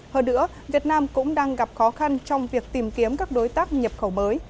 hơn nữa việt nam cũng đang gặp khó khăn trong việc tìm kiếm các đối tác nhập khẩu mới